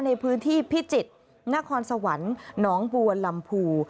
ในพื้นที่พิจิตรนครสวรรค์หนองบัวลำพู